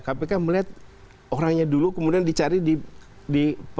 kpk melihat orangnya dulu kemudian dicari di